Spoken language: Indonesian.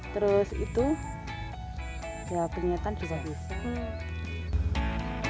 terus itu ya penyihatan susah susah